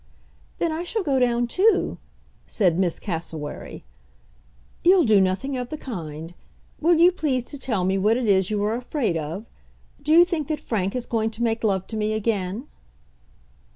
"Then I shall go down too," said Miss Cassewary. "You'll do nothing of the kind. Will you please to tell me what it is you are afraid of? Do you think that Frank is going to make love to me again?"